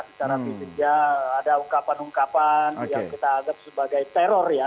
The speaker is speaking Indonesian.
secara fisik ya ada ungkapan ungkapan yang kita anggap sebagai teror ya